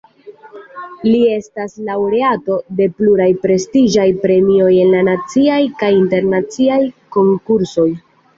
Li estas laŭreato de pluraj prestiĝaj premioj en la naciaj kaj internaciaj konkursoj.